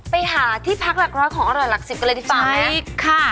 ไปหาที่พักหลักร้อยของอร่อยหลักสิบกันเลยดีกว่าไหมค่ะ